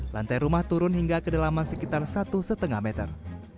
lantai rumah turun hingga kedalaman sekitar satu lima meter